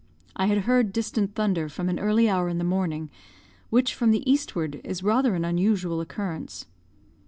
I had heard distant thunder from an early hour in the morning, which, from the eastward, is rather an unusual occurrence.